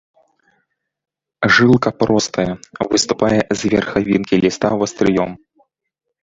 Жылка простая, выступае з верхавінкі ліста вастрыём.